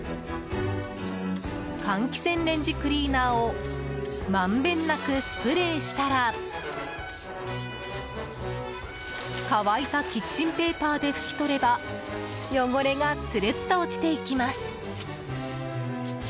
換気扇レンジクリーナーをまんべんなくスプレーしたら乾いたキッチンペーパーで拭き取れば汚れがスルッと落ちていきます。